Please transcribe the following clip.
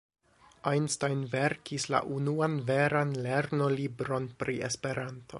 Einstein verkis la unuan veran lernolibron pri Esperanto.